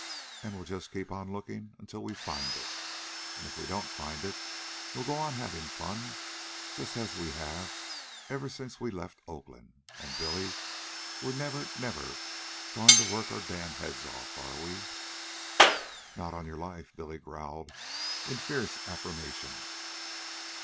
And we'll just keep on looking until we find it. And if we don't find it, we'll go on having the fun just as we have ever since we left Oakland. And, Billy... we're never, never going to work our damned heads off, are we?" "Not on your life," Billy growled in fierce affirmation.